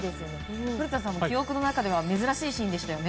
古田さん、記憶の中では珍しいシーンでしたよね。